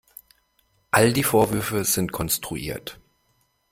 All die Vorwürfe sind konstruiert.